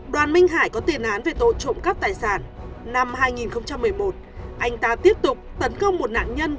đoàn minh hải có tiền án về tội trộm cắp tài sản năm hai nghìn một mươi một anh ta tiếp tục tấn công một nạn nhân